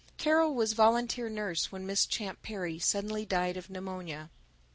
Carol was volunteer nurse when Mrs. Champ Perry suddenly died of pneumonia.